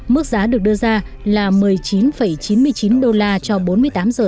mức giá được đưa ra là một mươi chín chín mươi chín đô la cho bốn mươi tám giờ